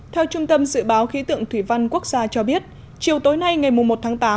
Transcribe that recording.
theo trung tâm dự báo khí tượng thủy văn quốc gia cho biết chiều tối nay ngày một tháng tám